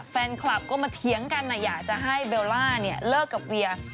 แฟนคลับก็มาเถียงกันอยากจะให้เบลล่าเนี่ยเลิกกับเวีย